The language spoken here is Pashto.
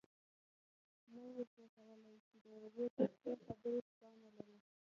نه شي کولای چې د يوې ترخې خبرې توان ولري.